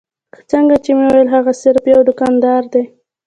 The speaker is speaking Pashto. لکه څنګه چې مې وويل هغه صرف يو دوکاندار دی.